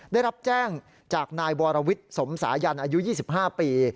ได้รับแจ้งจากนายวรวิทย์สมสายันอายุ๒๕ปี